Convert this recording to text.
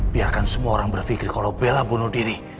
biarkan semua orang berpikir kalau bela bunuh diri